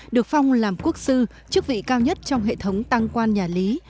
được phong làm quốc sư chức vị cao nhất trong hệ thống tăng quan nhà lý